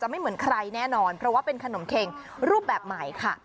ไม่เหมือนใครแน่นอนเพราะว่าเป็นขนมเข็งรูปแบบใหม่ค่ะ